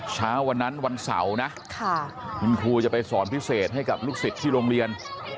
เช้าวันนั้นวันเสาร์นะคุณครูจะไปสอนพิเศษให้กับลูกศิษย์ที่โรงเรียน